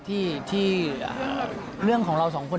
ที่เรื่องของเราสองคน